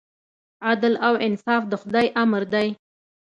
عدل او انصاف د خدای امر دی.